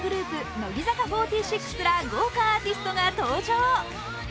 乃木坂４６ら豪華アーティストが登場。